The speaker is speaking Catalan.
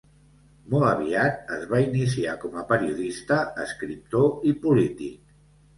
Molt aviat es va iniciar com a periodista, escriptor i polític.